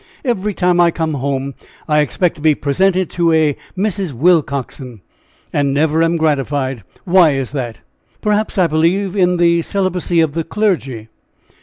Every time I come home I expect to be presented to a Mrs. Willcoxen, and never am gratified; why is that?" "Perhaps I believe in the celibacy of the clergy."